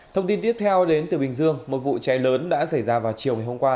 thông tin tiếp theo đến từ bình dương một vụ cháy lớn đã xảy ra vào chiều ngày hôm qua